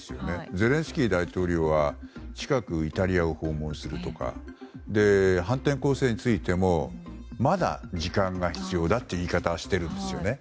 ゼレンスキー大統領は近くイタリアを訪問するとか反転攻勢についてもまだ時間が必要だという言い方をしているんですよね。